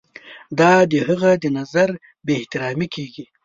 دا د هغه د نظر بې احترامي کیږي.